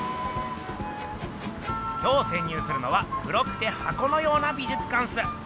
今日せん入するのは黒くて箱のような美術館っす。